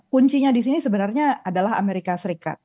kuncinya di sini sebenarnya adalah as